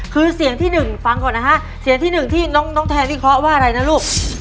คือเสียงที่หนึ่งฟังก่อนนะฮะเสียงที่หนึ่งที่น้องแทนวิเคราะห์ว่าอะไรนะลูก